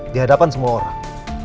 di hadapan semua orang